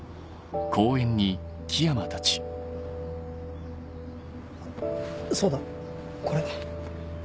あっそうだこれ。